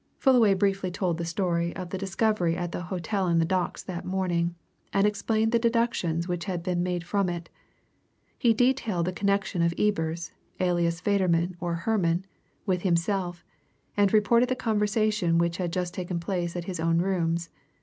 Fullaway briefly told the story of the discovery at the hotel in the Docks that morning, and explained the deductions which had been made from it. He detailed the connection of Ebers, alias Federman or Herman, with himself, and reported the conversation which had just taken place at his own rooms.